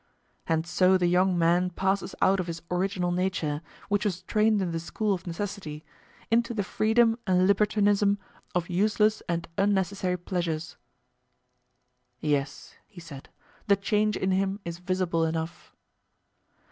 And so the young man passes out of his original nature, which was trained in the school of necessity, into the freedom and libertinism of useless and unnecessary pleasures. Yes, he said, the change in him is visible enough.